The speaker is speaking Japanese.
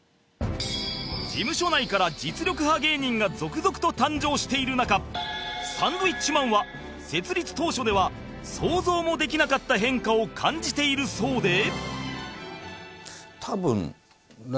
事務所内から実力派芸人が続々と誕生している中サンドウィッチマンは設立当初では想像もできなかった変化を感じているそうで